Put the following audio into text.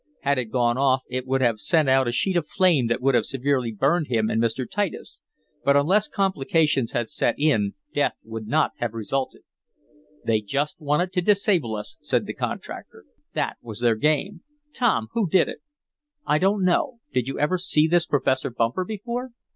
Had it gone off it would have sent out a sheet of flame that would have severely burned him and Mr. Titus, but unless complications had set in death would not have resulted. "They just wanted to disable us," said the contractor. "That was their game. Tom, who did it?" "I don't know. Did you ever see this Professor Bumper before?"